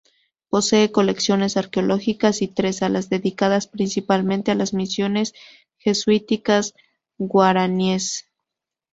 Posee colecciones arqueológicas y tres salas dedicadas principalmente a las misiones jesuíticas guaraníes.